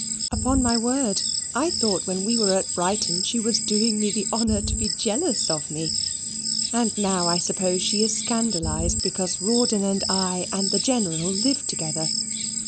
"Upon my word, I thought when we were at Brighton she was doing me the honour to be jealous of me; and now I suppose she is scandalised because Rawdon, and I, and the General live together.